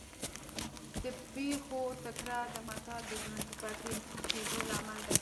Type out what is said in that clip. د پېښو تکرار د متل د ژوندي پاتې کېدو لامل دی